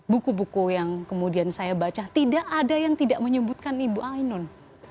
buku buku yang kemudian saya baca tidak ada yang tidak menyebutkan ibu ainun